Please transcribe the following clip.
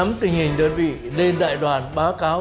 mình được được phong cách